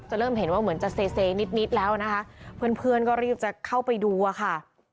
จะเริ่มเห็นว่าเหมือนจะเซนิดแล้วนะคะเพื่อนก็รีบจะเข้าไปดูค่ะ